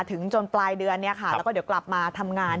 จนปลายเดือนแล้วก็เดี๋ยวกลับมาทำงาน